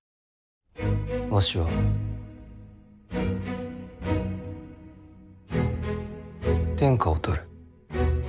わしは天下を取る。